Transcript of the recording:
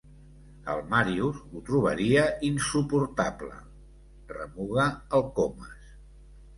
El Màrius ho trobaria insuportable —remuga el Comas.